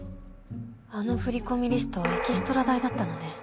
あの振込リストはエキストラ代だったのね。